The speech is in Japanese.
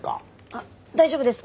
あっ大丈夫です。